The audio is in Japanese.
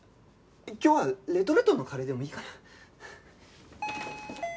今日はレトルトのカレーでもいいかな？